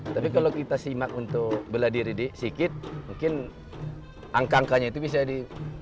tapi kalau kita simak untuk bela diri sikit mungkin angka angkanya itu bisa di